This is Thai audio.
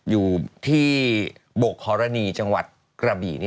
อยู่ที่บกฮรณีจังหวัดกระบี่